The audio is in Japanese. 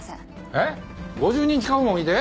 えっ５０人近くもいて？